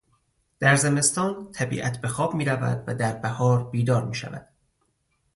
در زمستان طبیعت به خواب میرود و در بهار بیدار میشود.